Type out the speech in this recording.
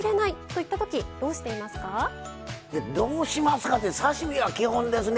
いやどうしますかって刺身は基本ですね